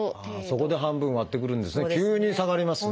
そこで半分割ってくるんですね。